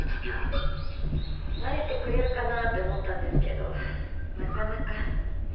慣れてくれるかなって思ったんですけどなかなか。